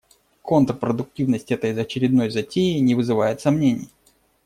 Контрпродуктивность этой очередной затеи не вызывает сомнений.